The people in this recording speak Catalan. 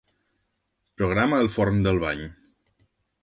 Programa el forn del bany.